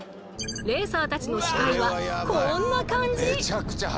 レーサーたちの視界はこんな感じ！